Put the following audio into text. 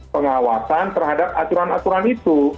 pengawasan terhadap aturan aturan itu